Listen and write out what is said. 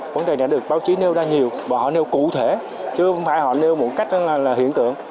vấn đề này được báo chí nêu ra nhiều bọn họ nêu cụ thể chứ không phải họ nêu một cách hiện tượng